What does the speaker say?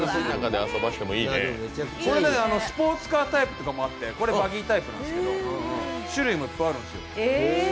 これ、スポーツカータイプもあってこれはバギータイプなんですけど種類もいっぱいあるんですよ。